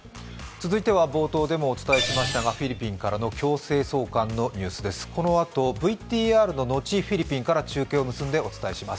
続いては冒頭でもお伝えしましたがフィリピンからの強制送還のニュースです。